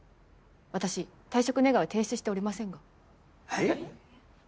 私退職願は提出しておりませんが。えっ！？